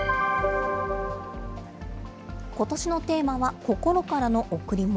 ことしのテーマは、心からの贈り物。